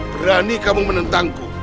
berani kamu menentangku